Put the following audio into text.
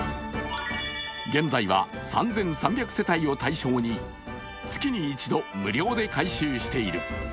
現在は３３００世帯を対象に月に一度無料で回収している。